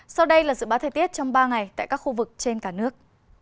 sau đây là dự báo thời tiết trong ba ngày tại các khu vực trên cả nước